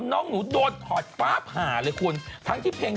น้องคุณหนูนักร้อง